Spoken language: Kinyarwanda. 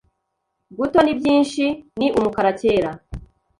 Guto ni byinshi, ni umukara cyera